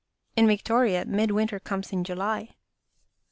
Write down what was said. In Victoria, midwinter comes in July."